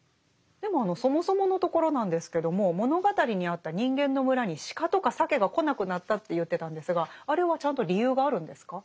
でもそもそものところなんですけども物語にあった人間の村にシカとかサケが来なくなったって言ってたんですがあれはちゃんと理由があるんですか？